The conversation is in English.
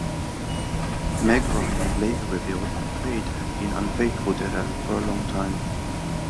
Meg Ryan later revealed Quaid had been unfaithful to her for a long time.